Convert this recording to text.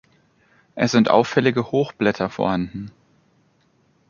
Es sind auffällige Hochblätter vorhanden.